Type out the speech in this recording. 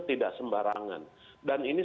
tidak sembarangan dan ini